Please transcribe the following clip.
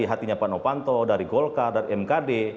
hati hatinya pak nopanto dari golkar dari mkd